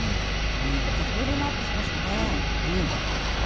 ちょっとボリュームアップしますよね。